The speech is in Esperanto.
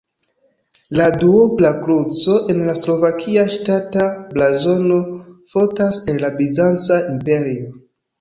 La duobla kruco en la slovakia ŝtata blazono fontas el la Bizanca Imperio.